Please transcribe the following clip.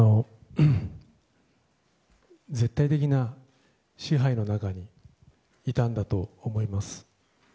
絶対的な支配の中にいたんだと思います。